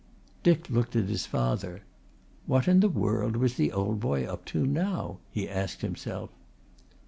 Dick looked at his father. What in the world was the old boy up to now? he asked himself.